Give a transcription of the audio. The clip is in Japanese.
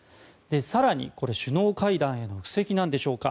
更に首脳会談への布石なんでしょうか。